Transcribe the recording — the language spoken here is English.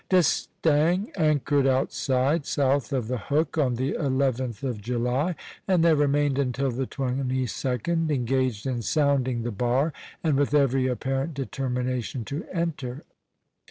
D'Estaing anchored outside, south of the Hook, on the 11th of July, and there remained until the 22d, engaged in sounding the bar, and with every apparent determination to enter.